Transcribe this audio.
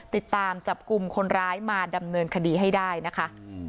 ติดตามจับกลุ่มคนร้ายมาดำเนินคดีให้ได้นะคะ